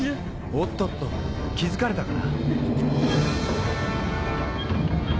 おっとっと気付かれたかな。